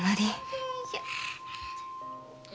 よいしょ。